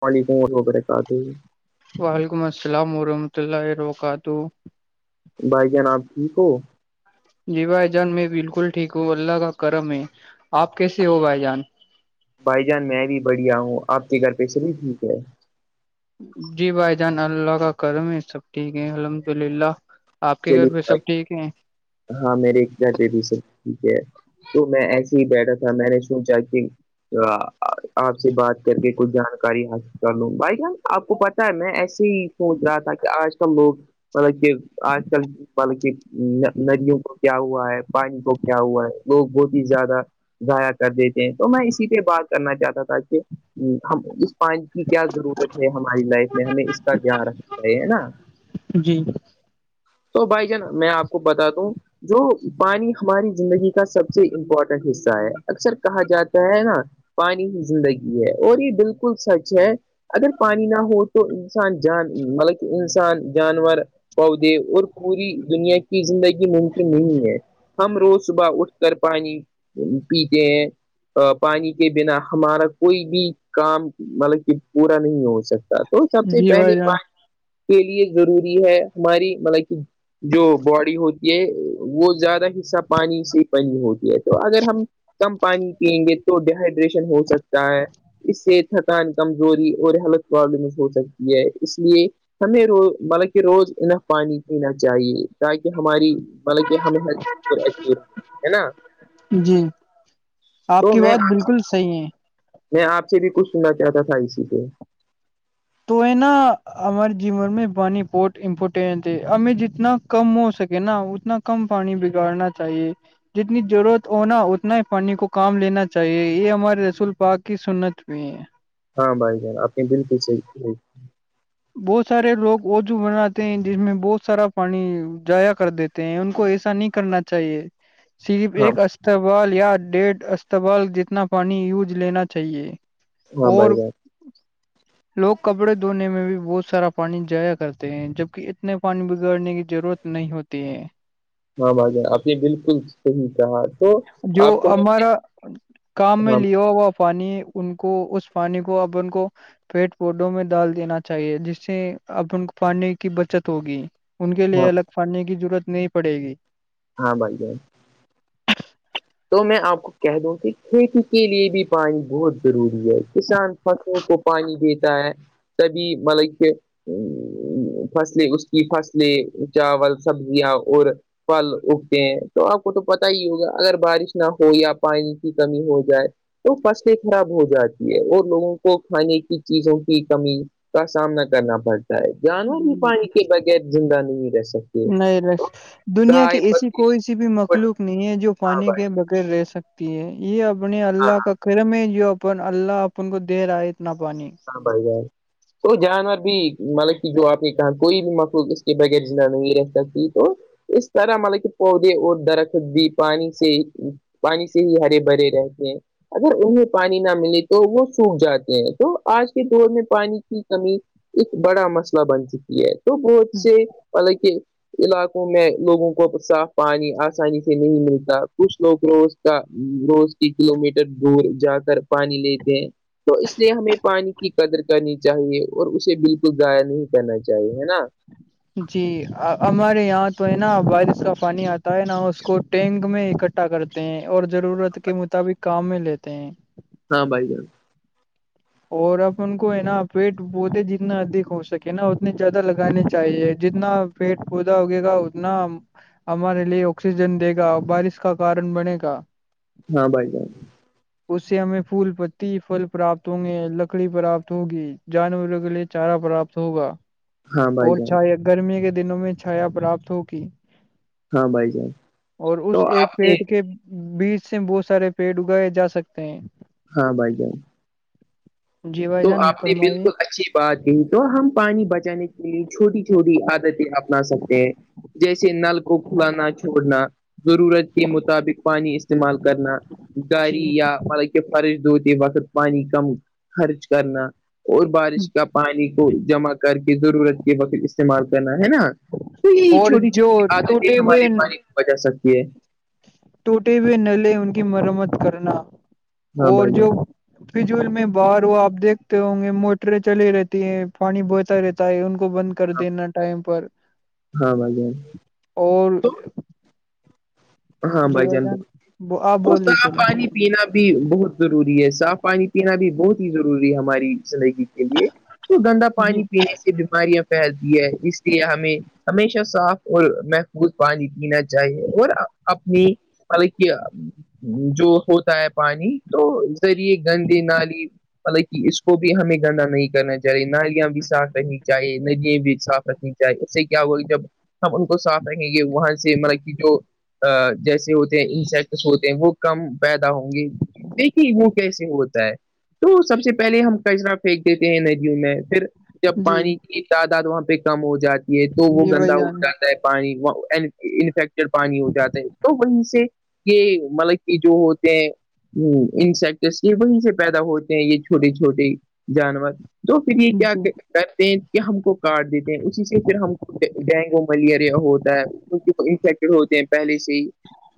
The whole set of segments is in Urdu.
وعلیکم ورم و ببرکاتہ وعلیکم السلام ورحمۃ اللہ الرکاتہ بھائی ج نام ٹھیک ہو جی بھائی جان میں بالکل ٹھیک ہوں اللہ کا کرم ہے آپ کیسے ہو بھائی جان بھائی جان میں بھی بڑھیا ہوں آپ کے گھر پہ سے بھی ٹھیک ہے جی بھائی جان اللہ کا کرم ہے سب ٹھیک ہے الحمد للہ آپ کے چلیے گھر پ سب بھائی- ٹھیک ہیں ہاں میرے گھر پے بھی سب ٹھیک ہے تو میں ایسے ہی بیٹھا تھا میں نے سوچا کہ آپ سے بات کر کے کچھ جانکاری حاصل کر لوں بھائی جان آپ کو پتا میں ایسے ہی سوچ رہا تھا کہ آج کل لوگ مطلب آج کل بلکہ ندیوں کو کیا ہوا ہے پانی کو کیا ہوا ہے لوگ بہت ہی زیادہ ضائع کر دیتے ہیں تو میں اسی پہ بات کرنا چاہتا تھا کہ ہم اس پانچ کی کیا ضرورت ہے ہماری لائف میں ہمیں اس کا کیاان رکھنا چاہی ہے نا جی تو بھائی جان میں آپ کو بتا دوں جو پانی ہماری زندگی کا سب سے امپورٹنٹ حصہ ہے اکثر کہا جاتا ہے نا پانی ہی زندگی ہے اور یہ بالکل سچ ہے اگر پانی نہ ہو تو انسان جان مطلب کہ انسان جانور پودے اور پوری دنیا کی زندگی ممکن نہیں ہے ہم روز صبح اٹھ کر پانی پیھ پانی کے بنا ہمارا کوئی بھی کام مطلب کہ پورا نہیں ہو سکتا تو سب سے جی بھائی پہلے جان بات کے لیے ضروری ہے ہماری مطلب کہ جو باڈی ہوتی ہے وہ زیادہ حصہ پانی سے ہی پنج ہوتی ہے تو اگر ہم کم پانی پیئیں گے تو ڈیہائیڈریشن ہو سکتا ہے اس سے تھکان کمزوری اور ہیلتھ پرابلمز ہو سکتی ہے اس لیے ہمیں رو بلا کہ روز ان پانی پینا چاہیے ت کہہ ہماری بلک ہم ہے نا جی آپ تو کی میں بات بالکل صحیح ہے میں آپ سے بھی کچھ سننا چاہتا تھا اسی پ تو ہے نا ہمارے جیون میں بانی بہت امپورٹینٹ ہے ہمیں جتنا کم ہو سکے نا اتنا کم پانی بگاڑنا چاہیے جتنی ضرورت ہوناا اتنا ہی پانی کو کام لینا چاہیے یہ ہمارے رسول پاک کی سنت میں ہے ہاں بھائی جان اپنی بالکل صحی بہت سارے لوگ ووجو بناتے ہیں جس میں بہت سارا پانی جضائیا کر دیتے ہیں ان کو ایسا نہیں کرنا چاہیے صرف ہاں ایک استبال یا ڈیھ استبال جتنا پانی یوج لینا چاہیے ہاں اور بھائی جان لوگ کپڑے دھونے میں بھی بہت سارا پانی جایا کرتے ہیں جبک اتنے پانی بگاڑنے کی ضرورت نہیں ہوتی ہے ہاں بھجا آپ نے بالکل صحیح کہا تو جو آپ کو ہمارا کام میں لیا ہوا پانی ان کو اس پانی کو اب ان کو پیٹ پودوں میں ڈال دینا چاہیے جس سے اب ان کو پانی کی بچت ہوگی ان کے لیے ہاں الگ پڑنے کی ضرورت نہیں پڑے گی ہاں بھائی جائی تو میں آپ کو کہہ دوں کہ کھیتی کے لیے بھی پانی بہت ضروری ہے کسان فصلوں کو پانی دیتا ہے تبھی مطلب کہ ا فصلیں اس کی فصلیں چاول سبزیاں اور پھل اگتے ہیں تو آپ کو تو پتا ہی ہوگا اگر بارش نہ ہو یا پانی کی کمی ہو جائے تو فصلیں خراب ہو جاتی ہے اور لوگوں کو کھانے کی چیزوں کی کمی کا سامنا کرنا پڑتا ہے جانور ہی پانی کے بغیر زندہ نہیں رہ سکتے نہیں ر دنیا کی گائے ایسی بکری کوئی سی بھی مخلوق نہیں ہے جو ہاں پانی بھائی کے بیر رہ سکتی ہے یہ اپنے ہاں اللہ کا کرم ہے جو پر اللہ اپن کو دے رہا ہے اتنا پانی بڑھ ہے تو جانور بھی مطلب کہ جو آپ کے کہاں کوئی بھی مخلوق اس کے بغیر جا نہیں رہ سکتی تو اس طرح مطلب کہ پودے اور درخت بھی پانی سے پانی سے ہی ہرے بھرے رہتے ہیں اگر انہیں پانی نہ ملے تو وہ سوکھ جاتے ہیں تو آج کے دور میں پانی کی کمی ایک بڑا مسئلہ بن چکی ہے تو بت سے والل کے علاقوں میں لوگوں کو صاف پانی آسانی سے نہیں ملتا کچھ لوگ روز روز کی کلو میٹر دور جا کر پانی لیتے ہیں تو اس اسے ہمیں پانی کی قدر کرنی چاہیے اور اسے بالکل ضائ نہیں کرنا چاہیے ہے نا جی ہمارے یہاں تو ہے نا وارس کا پانی آتا ہے نا اس کو ٹینک میںک اٹھا کرتے ہیں اور ضرورت کے مطابق کام میں لیتے ہیں ہاں بائی جان اور اپ ان کو ہے نا پیٹ بہتے جتنا ادھک ہو سکے نا اتنے زیادہ لگانے چاہیے جتنا پیٹ پودا ہوگے گا اتنا ہمارے لیے آکسیجن دے گا بارش کا کارن بنے گا ہاں بھائی جانائی اس سے ہمیں پھول پتی فل پراپت تے لکڑی پراپت ہوگی جانوروں کے لیے چارا پراپت ہوگا ہاں بھائی اور جان چھایا گرمی کے دنوں میں چھایا پراپت ہو کیی ہاں بھائی جان اور اس تو ایک آپ نے پیٹ کے بیچ سے بہت سارے پیڑ اگائے جا سکتے ہیں ہاں بائی جائی جی بھائی تو جان آپ نے فرمائیے بالکل اچھی بات یہی تو ہم پانی بچانے کے لیے چھوٹی چھوٹی عادتیں اپنا سکتے ہیں جیسے نل کو کھلانا چھوڑنا ضرورت کے مطابق پانی استعمال کرنا گااری جی یا مطلب کہ فرش دتی وقت پانی کم خرچ کرنا اور بارش کا پانی کو جمع کر کے ضرورت کے وقت استعمال کرنا ہے نا تو یہی اور چھوٹی جو چھوٹی عادتیں ٹوٹے ہوئے ہمارے پانی کو بچا سکتی ہے ٹوٹے ہوئے ن لے ان کی مرمت کرنا ہاں اور بھائی جان جو پجول میں باہر ہو آپ دیکھتے ہوں گے موٹریں چلے رہتی ہیں پانی بہتا رہتا ہے ان کو بند کر دینا ٹائم پر ہاں ہاں بھائی جان اور تو ہاں جی بھائی جان ب وہ آپ اور بولیے صاف چلو پانی پینا بھی بہت ضروری ہے صاف پانی پینا بھی بہت ہی ضروری ہے ہماری زندگی لیے تو گندا جی پانی پینے سے بیماریاں پھیلتی ہے اس لیے ہمیں ہمیشہ صاف اور محفوظ پانی پینا چاہیے اور اپنی مل کیا جو ہوتا ہے پانی تو ذریعے گندے نالی حالانکہ اس کو بھی ہمیں گندا نہیں کرنا چاہیے نالیاں بھی صاف رہنی چاہیے ندیاں بھی صاف ر چاہی اس سے کیا ہوا کہ جب ہم ان کو صاتھ رکھیں گے وہاں سے مطلب کہ جو جیسے ہوتے ہیں انسیکٹس ہوتے ہیں وہ کم پیدا ہوں گے دیکھیے وہ کیسے ہوتا ہے تو سب سے پہلے ہم کچرا پھینک دیتے ہیں ندیوں میں پھر جب جی پانی کی تعداد وہاں پہ کم ہو جاتی ہے تو وہ جی بھائی گندا ا جان جاتا پانی وہ انفیکٹڈ پانی ہوتا جات ہیں تو وہیں سے یہ مطلب کہ جو ہوتے ہیں انسیکٹس یہ وہیں سے پیدا ہوتے ہیں یہ چھوٹے چھوٹے جانور تو پھر یہ کیا جی کرتے ہیں کہ ہم کو کارڈ دیتے ہیں اسی سے پھر ہم ڈینگو ملیریا ہوتا ہے کی انفیکٹیڈ ہوتے ہیں پہلے سے ہی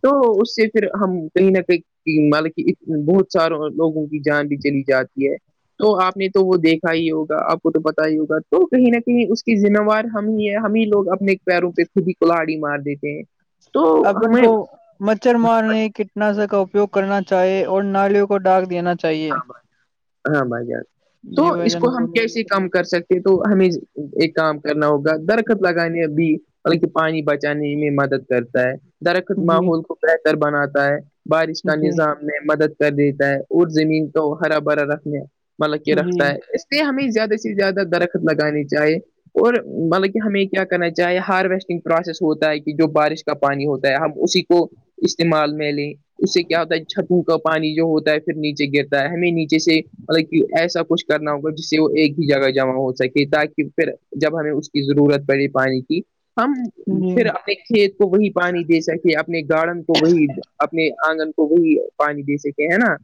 تو اس سے پھر ہم کہیں نہ کہیں کہ مل کہ بہت سار لوگوں کی جان بھی چلی جاتی ہے تو آپ نے تو وہ دیکھا ہی ہوگا آپ کو تو پتا ہی ہوگا تو کہیں نہ کہیں اس کی ذمہوار ہم ہی ہم ہی لوگ اپنے پیروں پہ خود ہی کولہڑی مار دیتے ہیں تو ا ان ہمیں کو مچھر مارنے کے ناسر کا اپیوگ کرنا چاہیے اور نالیوں کو ڈاک دینا چاہیے ہاں بھائی جان تو جی بھائی اس کو جان ہم بولے کیسے کام کر سکتے تو ہمیں ایک کام کرنا ہوگا درخت لگانے ا بھی ب پانی بچانے میں مدد کرتا ہے درخت جی ماحول کو بہتر بناتا ہے بارش کا جی نظام میں مدد کر دیتا ہےد زمین کو ہرا بھرا رکھنے مطلب کہ رکھتا جی ہے ہمیں زیادہ سے زیادہ درخت لگانی چاہیے اور مطلب کہ ہمیں کیا کرنا چاہے ہارویسٹنگ پروسیس ہوتا ہے کہ جو بارش کا پانی ہوتا ہے ہم اسی کو استعمال میں لیں اس سے کیا ہوتا ہے چھتوں کا پانی جو ہوتا ہے پھر نیچے یچے گرتا ہے ہمیں نیچے سے مطلب کہ ایسا کچھ کرنا ہوگا جس سے وہ ایک ہی جگہ جمع ہو سکے تاکہ پھر جب ہمیں اس کی ضرورت پڑی پانی کی ہم جی پھر کھیت کو وہی پانی دے سکے اپنے گارڑن کو وہی اپنے آنگن کو وہی پانی دے سکے ہے نا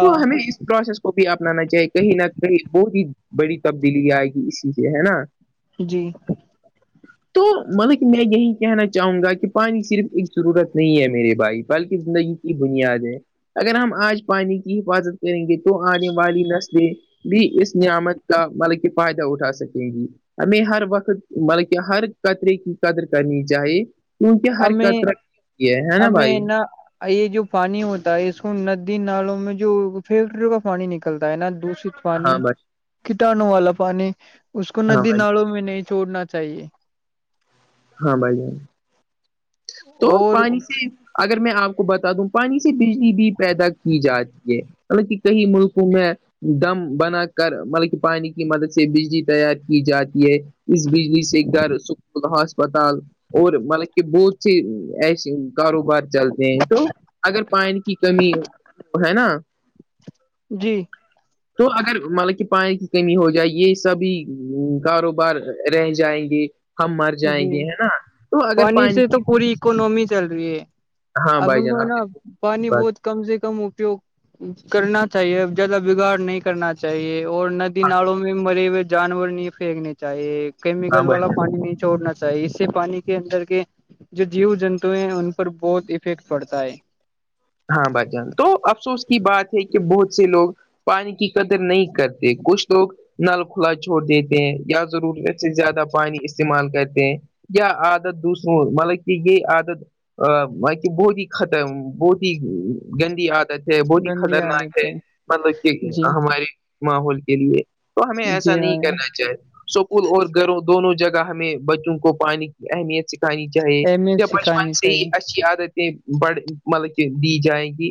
تو ہمیں اس پروسیس کو کو بھی اپنانا چاہے کہیں نہ کہیں بہت ہی بڑی تبدیلی آئے گی اسی سے ہے نا جی [unintelligible] تو مطلب کہ میں یہی کہنا چاہوں گا کہ پانی صرف ایک ضرورت نہیں ہے میرے بھائی بلکہ زندگی بنیاد ہے اگر ہم آج پانی کی حفاظت کریں گے تو آنے والی نسلیں بھی اس نعمت کا مطلب کہ فائدہ اٹھا سکیں گی ہمیں ہر وقت مطلب کہ ہر قطرے کی قدر کرنی چاہیے کیونک ہر ہمیں قتر ہے نا بھائی ہمیں نہ یہ جو پانی ہوتا ہے اس کو ندی نالوں میں جو فیکٹریوں کا پانی نکلتا ہے نا دوش ہاں پانی بھائی کٹانو والا پانی اس کو ہاں ندی بھائی ناڑوں میں نہیں چھوڑنا چاہیے ہاں بھائی جان تو اور پانی سے اگر میں آپ کو بتا دوں پانی سے بجلی بھی پیدا کی جاتی ہے مطلب کہ کئی ملکوں میں دم بنا کر مطلب کہ پانی کی مدد سے بجلی تیار کی جاتی ہے اس بجلی سے گھر سک ہسپتال اور مطلب کہ بہت ا ایسے کاروبار چلتے ہیں تو اگر پانی کی کمی ہے نا جی تو اگر مطلب کہ پانی کی کمی ہو جائے یہ سبھی کاروبار رہ جائیں گے ہم مر جائیں جی گے ہے نا تو اگر پانی سے تو کی پوری اکنمی چل رہی ہے ہاں اب بھائی ان جان کو آپ نا پانی بات بہت کم سے کم اپیوگ کرنا چاہیے ا زیادہ بگاڑ نہیں کرنا چاہیے چاہیے اور ندی ناڑوں میں مرے ہوئے جانور نہیں پھینکنے چاہیے ہاں کیمیکل والا بھائی جان پانی نہیں چھوڑنا چاہیے اس سے پانی کے اندر کے جو جیو جنتو ہیں ان پر بہت افیکٹ پڑتا ہے ہاں ب جان تو افسوس کی بات ہے کہ بہت سے لوگ پانی کی قدر نہیں کرتے کچھ لوگ نل کھلا چھوڑ دیتے ہیں یا ضرورت سے زیادہ پانی استعمال کرتے ہیں عادت دوسروں مطلب کہ یہ عادت ا کہ بہت ہی خترم بہت گندی عادت ہے بہت ہی گندی خطرناک ہے عادتیں مطلب کہ جی ہماریے ماحول کے لیے تو ہمیں جی ایسا نہیں کرنا چاہیے سکول اور گھروں دونوں جگہ ہمیں بچوں کو پانی کی اہمیت سے انی چاہیے اہمیت بچپن سکھانی سے ہی چاہیے اچھی عادتیں بڑ مطلب دی جائے گی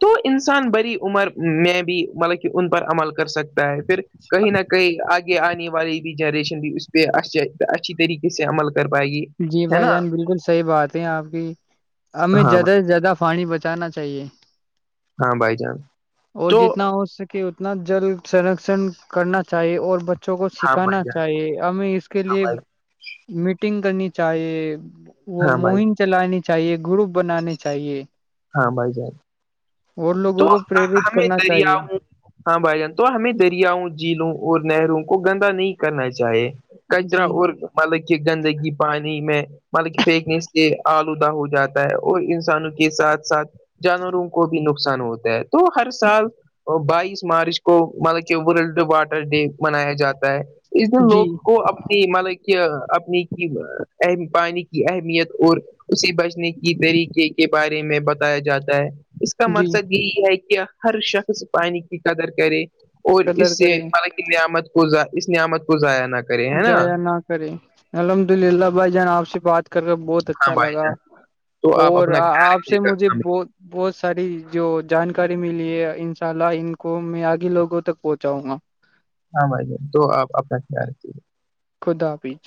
تو انسان بڑی عمر میں بھی مطلب کہ ان پر عمل کر سکتے پھر کہیں نہ کہیں آگے آنے والی بھی جنریشن بھی اس پہ اچھی طریقے سے عمل کر پائے گی جی ہے نا بھائی جان بالکل صحیح بات ہے آپ کی ہمیں ہاں زیادہ سے زیادہ پانی بچانا چاہیے ہاں بائی چانس اور جتنا ہو سکے اتنا جل سرشن کرنا چاہیے اور بچوں کو ہاں بھائی سکھانا جان چاہیے ہمیں اس کے ہاں لیے بھائی میٹنگ کرنی چاہیے وہ ہاں بھائی مہم چلانی چاہیے گروپ بنانی چاہیے ہاں بھائی جان اور تو لوگوں کو پریرت ہمیں کرنا دریا چاہیے ہاں بھائی جان تو ہمیں دریاؤں جیلوں اور نہروں کو گندا نہیں کرنا چاہیے کچرا جی اورور مطلب کہ گندگی پانی میں مطلب فیکنیس سے آلودہ ہو جاتا ہے اور انسانوں کے ساتھ ساتھ جانوروں کو بھی نقصان ہوتا ہے تو ہر سال بائیس مارچ کو مطلب کہ ورلڈ واٹر ڈے منایا جاتا ہے اس دن جی لوگ کو اپنی مالک اپنی کی پانی کی اہمیت اور اسی ب کی طریقے کے بارے میں بتایا جاتا ہے اس کا جی مقصد یہی ہے کہ ہر شخص پانی کی قدر کرے اور قدر اس سےہ کریں نعمت کو اس نعمت کو ضائع نہ کر جیا نہ کرے الحمد للہ بھائی جان آپ سے بات کر رہے بہت ہاں اچھا بھائی لگا جان تو آپ اور اپنا خیال آپ رکھیے سے گا مجھے ب بہت ساری جو جانکاری ملی ہے ان شاء اللہ ان کو میں آگے لوگوں تک پہنچاؤں گا ہاں بھائی ج تو آپ اپناتی خدا پچ